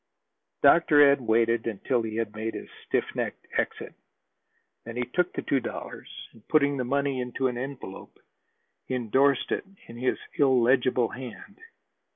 Dr. Ed waited until he had made his stiff necked exit. Then he took the two dollars, and, putting the money into an envelope, indorsed it in his illegible hand.